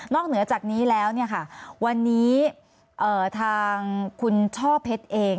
เหนือจากนี้แล้ววันนี้ทางคุณช่อเพชรเอง